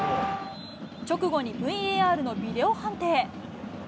直後にＶＡＲのビデオ判定。